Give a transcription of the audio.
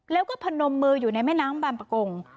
แล้วก็พนมมืออยู่ในแม่น้ำบางประกง